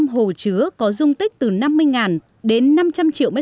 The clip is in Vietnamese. bốn bốn trăm bốn mươi năm hồ chứa có dung tích từ năm mươi đến năm trăm linh triệu m ba